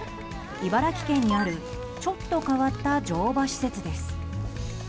茨城県にある、ちょっと変わった乗馬施設です。